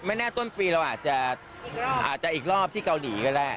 แน่ต้นปีเราอาจจะอีกรอบที่เกาหลีก็ได้